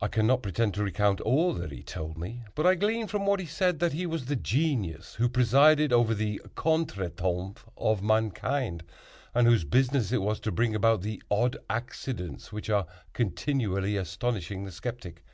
I cannot pretend to recount all that he told me, but I gleaned from what he said that he was the genius who presided over the contretemps of mankind, and whose business it was to bring about the odd accidents which are continually astonishing the skeptic.